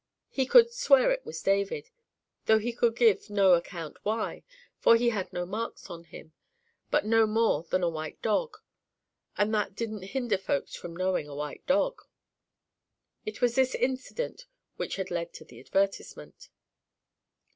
He could "swear it was David," though he could "give no account why, for he had no marks on him; but no more had a white dog, and that didn't hinder folks from knowing a white dog." It was this incident which had led to the advertisement.